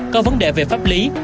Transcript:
có vấn đề về pháp lý